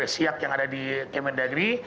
siak yang ada di kementerian negeri